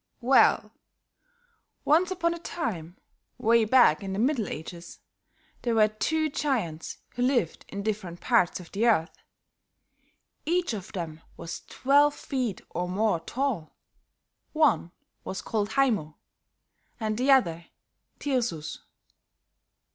"Well, once upon a time, way back in the Middle Ages, there were two giants who lived in different parts of the earth. Each of them was twelve feet or more tall; one was called Haymo and the other Tirsus.